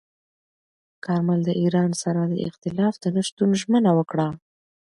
کارمل د ایران سره د اختلاف د نه شتون ژمنه وکړه.